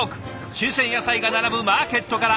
新鮮野菜が並ぶマーケットから。